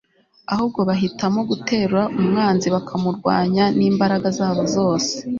ahubwo bahitamo gutera umwanzi bakamurwanya n'imbaraga zabo zose